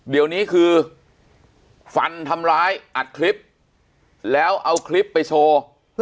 เดี๋ยวนี้คือฟันทำร้ายอัดคลิปแล้วเอาคลิปไปโชว์